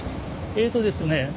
えっとですね